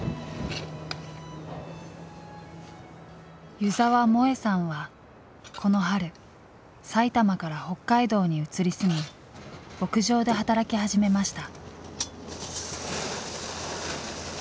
湯澤萌さんはこの春埼玉から北海道に移り住み牧場で働き始めました。